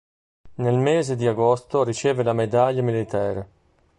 Nel mese di agosto riceve la Médaille militaire.